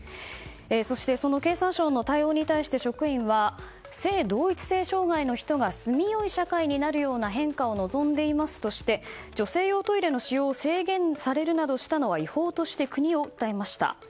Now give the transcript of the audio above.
そしてその経産省の対応に対して職員は性同一性障害の人が住み良い社会になるような変化を望んでいますとして女性用トイレの使用を制限されるなどしたのは違法として国を訴えました。